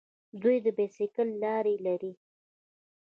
دوی د بایسکل لارې لري.